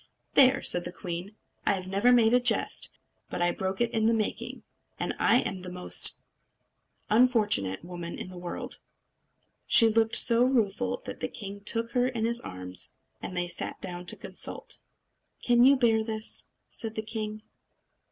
"There!" said the queen, "I never made a jest, but I broke it in the making. I am the most unfortunate woman in the world!" She looked so rueful that the king took her in his arms; and they sat down to consult. "Can you bear this?" said the king.